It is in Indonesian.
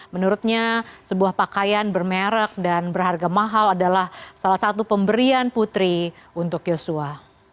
menurutnya sebuah pakaian bermerek dan berharga mahal adalah salah satu pemberian putri untuk yosua